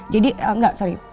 jadi enggak sorry